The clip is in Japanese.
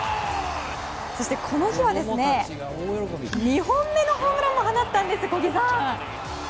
そしてこの日は２本目のホームランを放ったんです、小木さん！